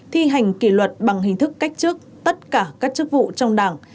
thi hành kỷ luật bằng hình thức cách trước tất cả các chức vụ trong đảng